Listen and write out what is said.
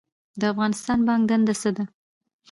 د افغانستان بانک دنده څه ده؟